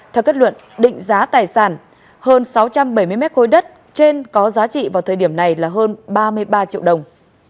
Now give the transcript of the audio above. theo kết luận định giá tài sản hơn sáu trăm bảy mươi mét khối đất trên có giá trị vào thời điểm này là hơn ba mươi ba triệu đồng